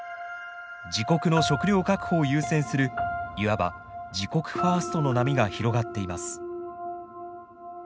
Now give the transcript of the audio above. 自国の食料確保を優先するいわば自国ファーストの波が広がっています。